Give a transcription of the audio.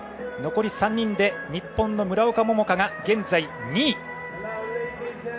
残り３人で日本の村岡桃佳が現在２位。